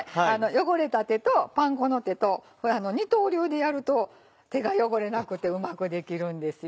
汚れた手とパン粉の手と二刀流でやると手が汚れなくてうまくできるんですよ。